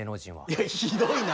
いやひどいな！